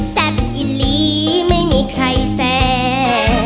แซ่บอิหลีไม่มีใครแซ่